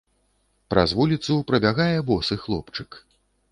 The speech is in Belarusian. Праз вуліцу прабягае босы хлопчык.